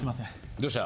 どうした？